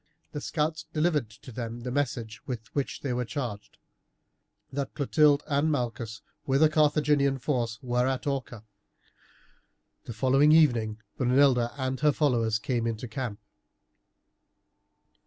The scouts delivered to them the message with which they were charged: that Clotilde and Malchus, with a Carthaginian force, were at Orca. The following evening Brunilda and her followers came into camp.